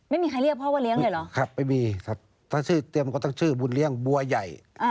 ไม่มีใครเรียกพ่อว่าเลี้ยเลยเหรอครับไม่มีครับถ้าชื่อเตรียมก็ตั้งชื่อบุญเลี้ยงบัวใหญ่